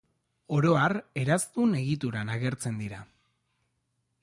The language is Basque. Oro har, eraztun egituran agertzen dira.